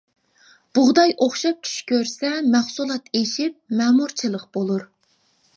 بۇغداي ئوخشاپ چۈش كۆرسە مەھسۇلات ئېشىپ مەمۇرچىلىق بولۇر.